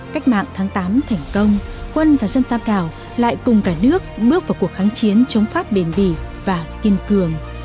cách mạng tháng tám thành công quân và dân tàm đảo lại cùng cả nước bước vào cuộc kháng chiến chống pháp bền bỉ và kiên cường